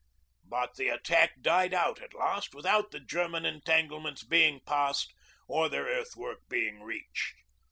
But the attack died out at last without the German entanglements being passed or their earthwork being reached.